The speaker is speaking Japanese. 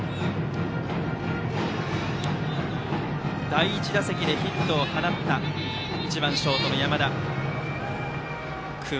第１打席でヒットを放った１番ショートの山田がバッターボックス。